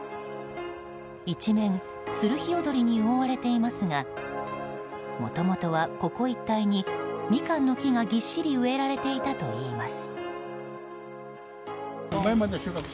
一面ツルヒヨドリに覆われていますがもともとはここ一帯にミカンの木がぎっしり植えられていたといいます。